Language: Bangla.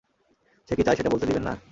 সে কি চায় সেটা বলতে দিবেন না?